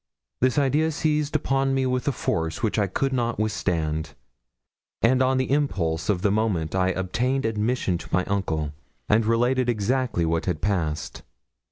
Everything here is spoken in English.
This idea seized upon me with a force which I could not withstand; and on the impulse of the moment I obtained admission to my uncle, and related exactly what had passed.